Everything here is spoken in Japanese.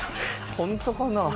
ホントかな？